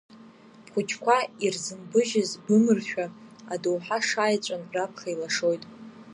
Бхәыҷқәа ирзынбыжьыз бымыршәа, Адоуҳа шаеҵәан раԥхьа илашоит.